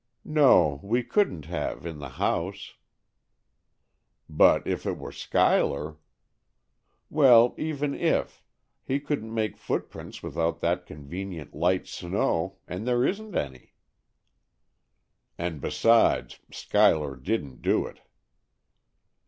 "No, we couldn't have, in the house." "But if it was Schuyler——" "Well, even if,—he couldn't make footprints without that convenient 'light snow' and there isn't any." "And besides, Schuyler didn't do it."